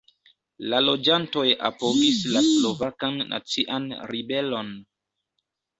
La loĝantoj apogis la Slovakan Nacian Ribelon.